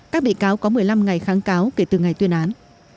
các bị cáo có một mươi năm ngày kháng cáo kể từ ngày tuyên án